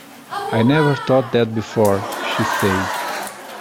‘I never thought of that before!’ she said.